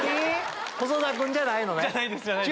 細田君じゃないのね。